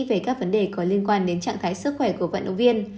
về các vấn đề có liên quan đến trạng thái sức khỏe của vận động viên